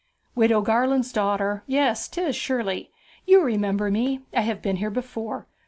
'Widow Garland's daughter! yes, 'tis! surely. You remember me? I have been here before.